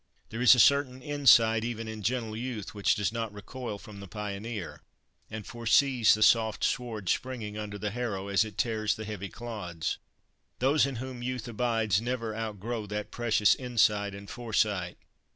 There is a certain insight even in gentle youth which does not recoil from the pioneer, and foresees the soft sward springing under the harrow as it tears the heavy clods. Those in whom youth abides never outgrow that precious insight and foresight.